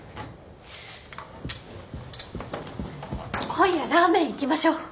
今夜ラーメン行きましょう！